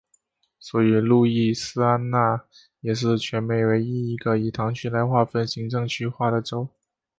所以路易斯安那也是全美唯一一个以堂区来划分行政区划的州。